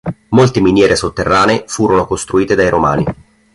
Molte miniere sotterranee furono costruite dai Romani.